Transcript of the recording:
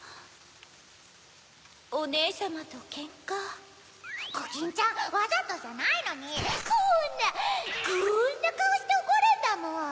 ・おねえさまとケンカ・コキンちゃんわざとじゃないのにこんなこんなカオしておこるんだもん！